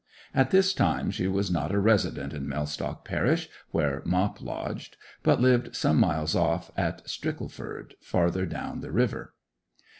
At this time she was not a resident in Mellstock parish where Mop lodged, but lived some miles off at Stickleford, farther down the river.